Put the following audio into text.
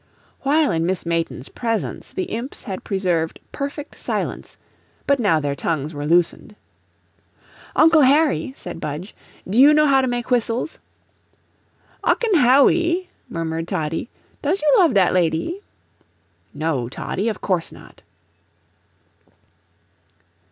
While in Miss Mayton's presence the imps had preserved perfect silence, but now their tongues were loosened. "Uncle Harry," said Budge, "do you know how to make whistles?" "Ucken Hawwy," murmured Toddie, "does you love dat lady?" "No, Toddie, of course not."